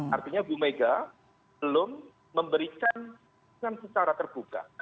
artinya bumega belum memberikan secara terbuka